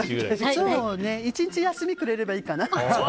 １日休みくれればいいかな。